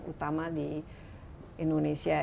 terutama di indonesia